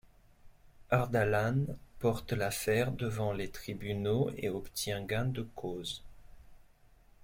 Ardalan porte l'affaire devant les tribunaux et obtient gain de cause.